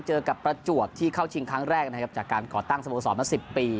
เจอกับประจวบที่เข้าชิงครั้งแรกนะครับจากการก่อตั้งสโมสรมา๑๐ปี